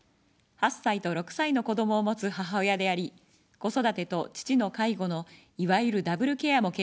８歳と６歳の子どもを持つ母親であり、子育てと父の介護の、いわゆるダブルケアも経験しました。